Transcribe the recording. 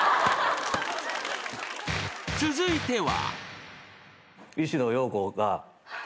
［続いては］